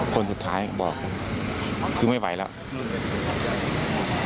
คนสุดท้ายบอกคือไม่ไหวแล้ว